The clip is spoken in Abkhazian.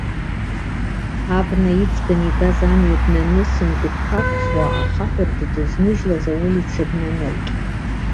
Абна иҵганы игаз амҩа днанысын, дықәԥақәсуа, ахаҳәрдды зныжьлаз аулица днанылт.